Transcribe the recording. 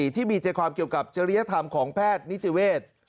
ที่มีใจความเกี่ยวกับจริยธรรมของแพทย์นิติเวศ